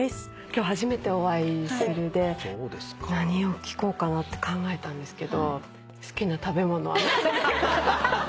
今日初めてお会いするので何を聞こうかなって考えたんですけど好きな食べ物は？